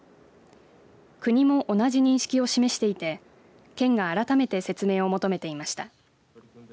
国も同じ認識を示していて県が改めて説明を求めていました。